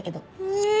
へえ！